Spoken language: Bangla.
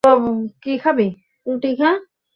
জিম্বাবুয়ে টিম বাংলাদেশ সফরে আসবে।